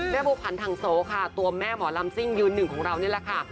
บัวผันทางโสค่ะตัวแม่หมอลำซิ่งยืนหนึ่งของเรานี่แหละค่ะ